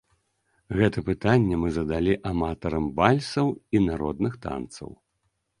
Гэта пытанне мы задалі аматарам вальсаў і народных танцаў.